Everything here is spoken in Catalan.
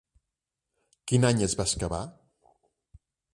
Quin any es va excavar?